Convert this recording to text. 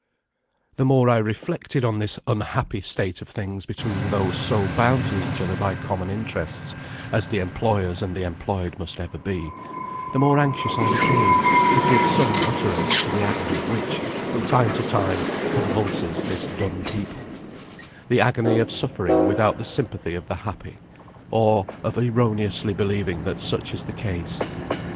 The more I reflected on this unhappy state of things between those so bound to each other by common interests, as the employers and the employed must ever be, the more anxious I became to give some utterance to the agony which, from time to time, convulses this dumb people; the agony of suffering without the sympathy of the happy, or of erroneously believing that such is the case.